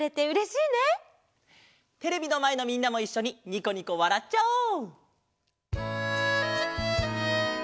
テレビのまえのみんなもいっしょににこにこわらっちゃおう！